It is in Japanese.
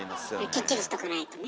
きっちりしとかないとね。